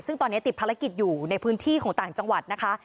ซึ่งตอนนี้ติดภารกิจอยู่ในพื้นที่ของต่างจังหวัดนะคะ